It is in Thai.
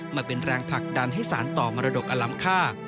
มาเป็นแรงผลักดันให้สารต่อมรดกอล้ำค่า